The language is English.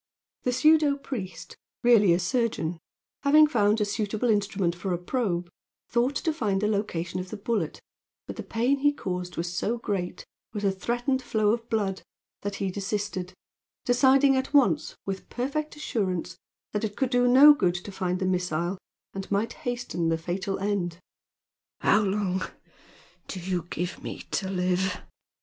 The pseudo priest, really a surgeon, having found a suitable instrument for a probe, thought to find the location of the bullet, but the pain he caused was so great, with a threatened flow of blood, that he desisted, deciding at once, with perfect assurance, that it could do no good to find the missile and might hasten the fatal end. "How long do you give me to live?"